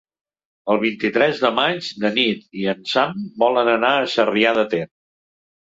El vint-i-tres de maig na Nit i en Sam volen anar a Sarrià de Ter.